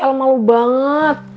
el malu banget